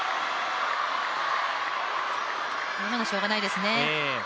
今のはしょうがないですね。